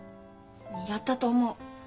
やったと思う。